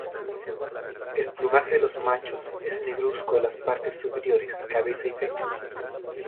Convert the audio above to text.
El plumaje de los machos es negruzco en las partes superiores, cabeza y pecho.